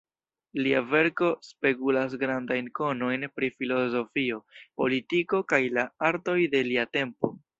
Lia verko spegulas grandajn konojn pri filozofio, politiko kaj la artoj de lia tempo.